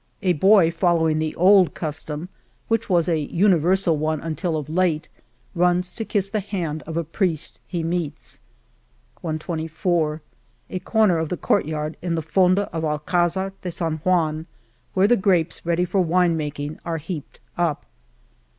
A boy, following the old custom, which was a uni versal one until of late, runs to kiss the hand of a priest he meets, 122 A corner of the court yard in the fonda of Alcdzar de San Juan, where the grapes ready for wine making are heaped up